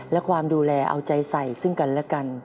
และความดูแลเอาใจใส่ซึ่งกันและกัน